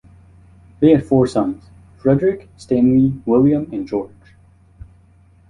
They had four sons: Frederick, Stanley, William, and George.